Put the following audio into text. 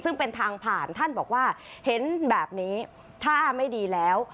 ซึ่งเป็นทางผ่านท่านบอกว่าเห็นแบบนี้ท่าไม่ดีแล้ว